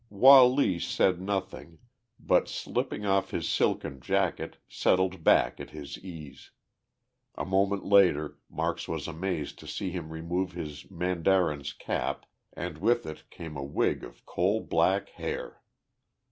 Wah Lee said nothing, but, slipping off his silken jacket, settled back at his ease. A moment later Marks was amazed to see him remove his mandarin's cap, and with it came a wig of coal black hair!